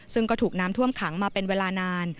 ซึ่งก็ถูกน้ำท่วมขังมาเป็นเวลานาน